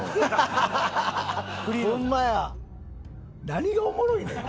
何がおもろいねん？